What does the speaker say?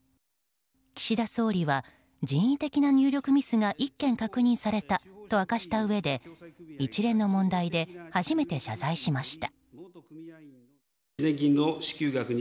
岸田総理は人為的な入力ミスが１件確認されたと明かしたうえで一連の問題で初めて謝罪しました。